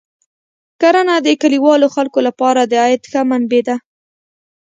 کرنه د کلیوالو خلکو لپاره د عاید ښه منبع ده.